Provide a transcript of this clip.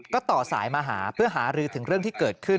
ก็ต่อสายมาหาเพื่อหารือถึงเรื่องที่เกิดขึ้น